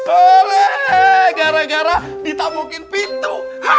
oleh gara gara ditabungin pintu